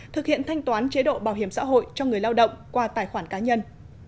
thực hiện thanh toán chế độ bảo hiểm xã hội cho người lao động qua tài khoản cá nhân